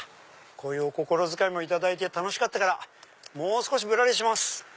こういうお心遣いも頂いて楽しかったからもう少しぶらりします！